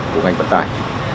của ngành vận tải